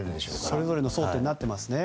それぞれの争点になっていますね。